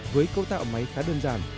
với cấu tạo máy khá đơn giản